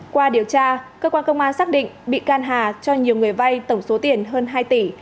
qua điều tra cơ quan công an xác định bị can hà cho nhiều người vay tổng số tiền hơn hai tỷ